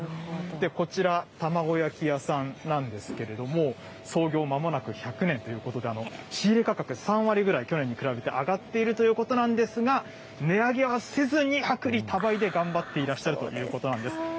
こちら、玉子焼屋さんなんですけれども、創業まもなく１００年ということで、仕入れ価格３割ぐらい、去年に比べて上がっているということなんですが、値上げはせずに薄利多売で頑張っていらっしゃるということなんです。